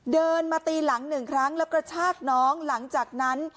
เดินมาตีหลังหนึ่งครั้งแล้วกระชากน้องหลังจากนั้น